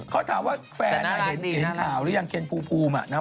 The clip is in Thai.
ขอถามว่าแฟนเห็นข่าวหรือยังเคนฟูอะ